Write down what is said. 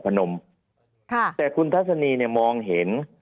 ภารกิจสรรค์ภารกิจสรรค์